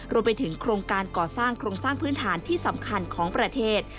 รวมไปถึงโครงการก่อสร้างโครงสร้างพื้นฐานที่สำคัญของประเทศ